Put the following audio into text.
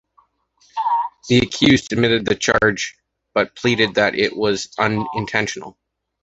The accused admitted the charge, but pleaded that it was unintentional.